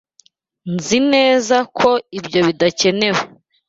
Nzi neza ko ibyo bidakenewe.